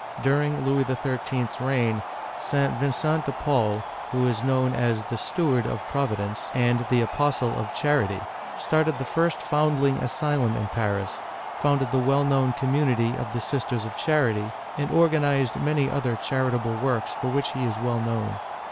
During Louis XIII. *s reign, St. Vincent de Paul — who is known as the " Steward of Providence " and the " Apostle of Charity" — started the first foundling asylum in Paris, founded the well known community of the Sisters of Charity, and organized many other charitable works for which he is well known.